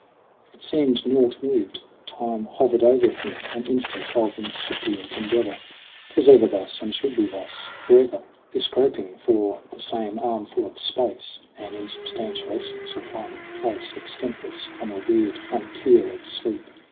It seemed naught moved. Time hovered over him, An instant of incipient endeavor. 'Twas ever thus, and should be thus forever 46 SONG OF HUGH GLASS This groping for the same armful of space, An insubstantial essence of one place, Extentless on a weird frontier of sleep.